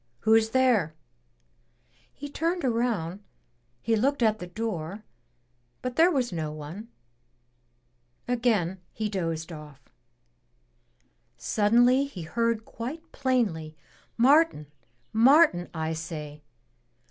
"Who's there?" He turned around, he looked at the door, but there was no one. Again he dozed off. Suddenly he heard quite plainly, "Martin, Martin, I say!